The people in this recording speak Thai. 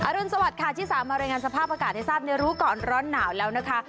รุนสวัสดิค่ะที่สามมารายงานสภาพอากาศให้ทราบในรู้ก่อนร้อนหนาวแล้วนะคะ